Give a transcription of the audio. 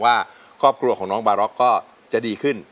ว่าครอบครัวของน้องบาร็อกก็จะดีขึ้น